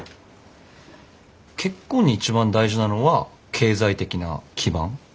結婚に一番大事なのは経済的な基盤。